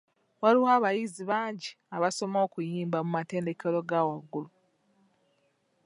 Waliwo abayizi bangi abasoma okuyimba mu matendekero ga waggulu.